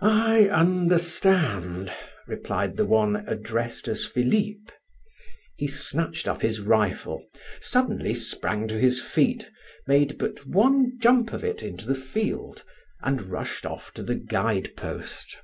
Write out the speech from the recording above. "I understand," replied the one addressed as Philip. He snatched up his rifle, suddenly sprang to his feet, made but one jump of it into the field, and rushed off to the guide post.